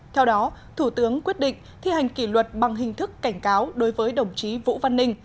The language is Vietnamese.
theo đó thủ tướng quyết định thi hành kỷ luật bằng hình thức cảnh cáo đối với đồng chí vũ văn ninh